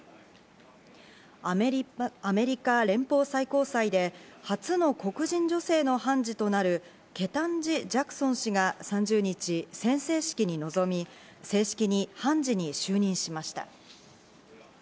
アメリカ連邦最高裁で、初の黒人女性の判事となる、ケタンジ・ジャクソン氏が３０日、宣誓式に臨み、正式に判事に就任しました。